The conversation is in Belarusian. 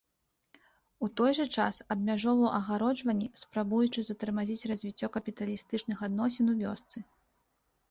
У той жа час абмяжоўваў агароджванні, спрабуючы затармазіць развіццё капіталістычных адносін у вёсцы.